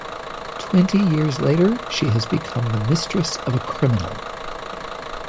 Twenty years later, she has become the mistress of a criminal.